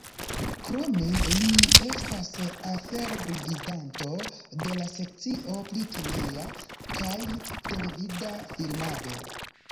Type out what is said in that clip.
Krome li estas afergvidanto de la sekcio pri kineja kaj televida filmado.